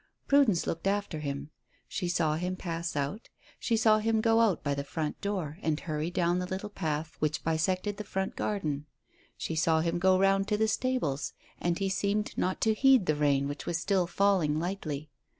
Prudence looked after him. She saw him pass out; she saw him go out by the front door and hurry down the little path which bisected the front garden. She saw him go round to the stables, and he seemed not to heed the rain which was still falling lightly.